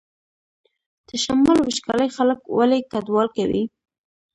د شمال وچکالي خلک ولې کډوال کوي؟